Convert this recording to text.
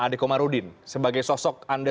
ade komarudin sebagai sosok anda